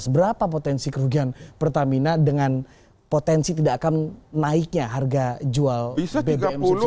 berapa potensi kerugian pertamina dengan potensi tidak akan naiknya harga jual bbm enam belas di tahun dua ribu sembilan belas